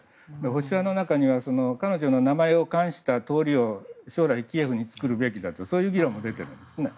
保守派の中には彼女の名前を関した通りを将来キエフに作るべきだとそういう議論も出ているんですね。